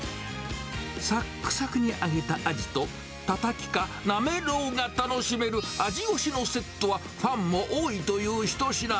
さっくさくに揚げたアジと、たたきかなめろうが楽しめる、アジ推しのセットはファンも多いという一品。